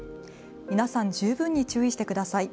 皆さん、十分に注意してください。